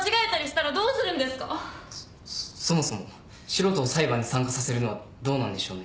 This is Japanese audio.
そそもそも素人を裁判に参加させるのはどうなんでしょうね。